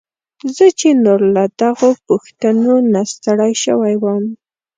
زه چې نور له دغو پوښتنو نه ستړی شوی وم.